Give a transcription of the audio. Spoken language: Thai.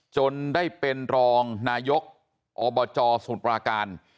จนได้เป็นรองนายกอบจสมุทรปราการ